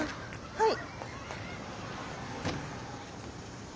はい。